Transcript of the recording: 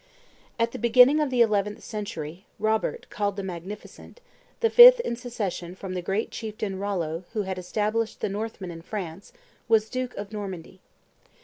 At the beginning of the eleventh century, Robert, called "The Magnificent," the fifth in succession from the great chieftain Rollo who had established the Northmen in France, was duke of Normandy.